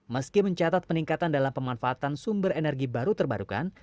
meski mencatat peningkatan dalam pemanfaatan sumber energi baru terbarukan